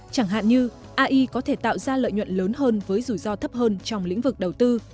chẳng hạn như ai có thể tạo ra lợi nhuận lớn hơn với rủi ro thấp hơn trong lĩnh vực đầu tư